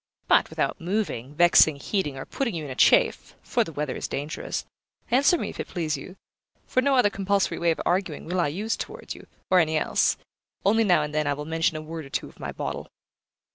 But without moving, vexing, heating, or putting you in a chafe (for the weather is dangerous), answer me, if it please you; for no other compulsory way of arguing will I use towards you, or any else; only now and then I will mention a word or two of my bottle.